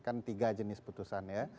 kan tiga jenis putusan ya